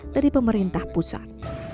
dari pemerintah pusat